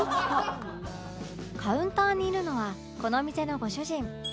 カウンターにいるのはこの店のご主人